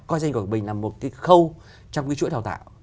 coi danh của mình là một cái khâu trong cái chuỗi đào tạo